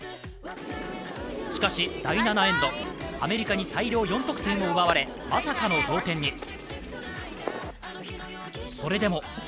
しかし、第７エンド、アメリカに大量４得点を奪われ、まさかの同点に。